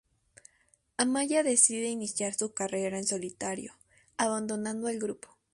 Amaya decide iniciar su carrera en solitario abandonando el grupo.